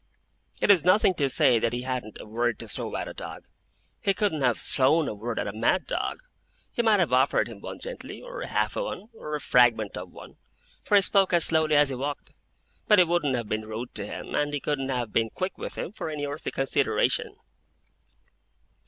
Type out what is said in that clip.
It is nothing to say that he hadn't a word to throw at a dog. He couldn't have thrown a word at a mad dog. He might have offered him one gently, or half a one, or a fragment of one; for he spoke as slowly as he walked; but he wouldn't have been rude to him, and he couldn't have been quick with him, for any earthly consideration.